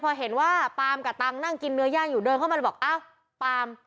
พอเห็นว่าปามกับตังค์นั่งกินเนื้อย่างอยู่เดินเข้ามาเลยบอกอ้าวปาล์ม